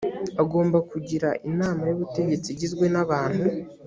agomba kugira inama y ubutegetsi igizwe n abantu